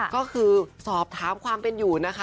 ก็คือสอบถามความเป็นอยู่นะคะ